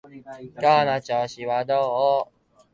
今日の調子はどう？